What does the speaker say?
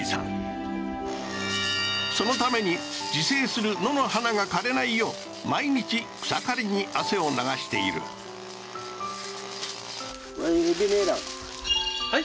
そのために自生する野の花が枯れないよう毎日草刈りに汗を流しているこれ見てみいなはい？